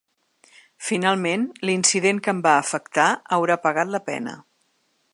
Finalment, l’incident que em va afectar haurà pagat la pena.